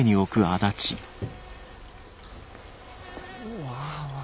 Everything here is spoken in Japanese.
うわ。